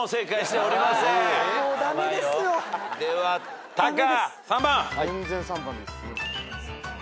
ではタカ。